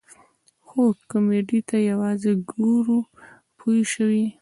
خو کمیډۍ ته یوازې ګورو پوه شوې!.